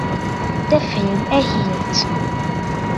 Der Film erhielt